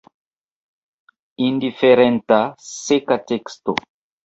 Indiferenta, seka teksto!